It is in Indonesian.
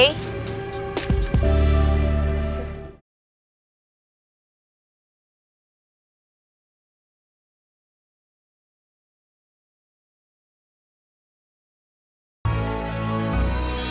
ya udah gue nunggu deh